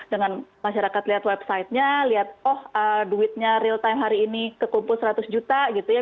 dengan masyarakat lihat websitenya lihat oh duitnya real time hari ini kekumpul seratus juta gitu ya